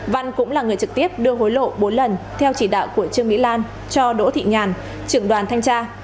văn cũng là người trực tiếp đưa hối lộ bốn lần theo chỉ đạo của trương mỹ lan cho đỗ thị nhàn trưởng đoàn thanh tra